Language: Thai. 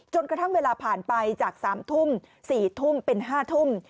กระทั่งเวลาผ่านไปจาก๓ทุ่ม๔ทุ่มเป็น๕ทุ่ม